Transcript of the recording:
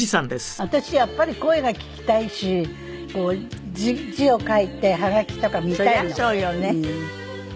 私やっぱり声が聞きたいし字を書いてはがきとか見たいの。